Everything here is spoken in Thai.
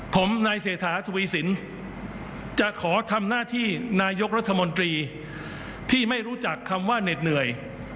ผมนายเศรษฐาทวีสินจะขอทำหน้าที่นายกรัฐมนตรีที่ไม่รู้จักคำว่าเหน็ดเหนื่อย